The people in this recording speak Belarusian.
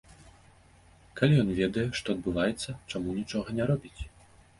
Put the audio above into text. Калі ён ведае, што адбываецца, чаму нічога не робіць.